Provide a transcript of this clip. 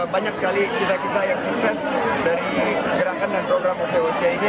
banyak sekali kisah kisah yang sukses dari gerakan dan program okoc ini